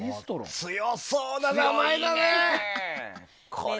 強そうな名前だね。